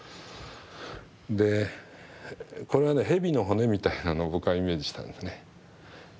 でこれはね蛇の骨みたいなのを僕はイメージしたんですね。